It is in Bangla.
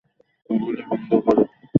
গুলি বন্ধ করো।